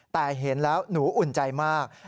แต่เห็นแล้วหนูอุ่นใจมาก